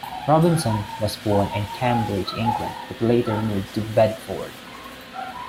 Robinson was born in Cambridge, England, but later moved to Bedford.